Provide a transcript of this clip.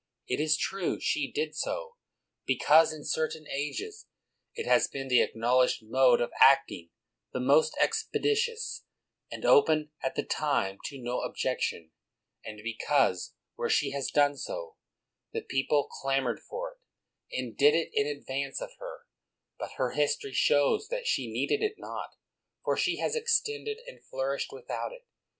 It is true she did so, because in certain ages it has been the acknowledged mode of acting, the most ex peditious, and open at the time to no objection, and because, where she has done so, the people 220 NEWMAN clamored for it and did it in advance of her; but her history shows that she needed it not, for she has extended and flourished without it.